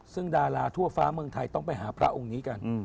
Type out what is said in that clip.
ซึ่งดาราทั่วฟ้าเมืองไทยต้องไปหาพระองค์นี้กัน